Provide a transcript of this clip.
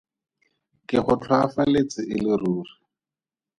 Ke go tlhoafaletse e le ruri.